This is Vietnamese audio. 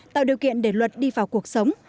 tạo điều kiện để luật đi vào cuộc sống